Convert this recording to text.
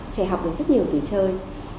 trẻ học được rất nhiều từ chơi